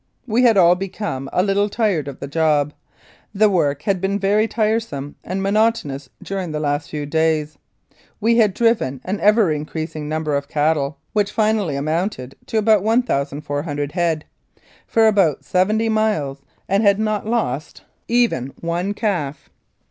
We had all become a little tired of the job the work had been very tiresome and monotonous during the last few days. We had driven an ever increasing number of cattle, which finally amounted to about 1,400 head, for about seventy miles, and had not lost even Mounted Police Life in Canada one calf.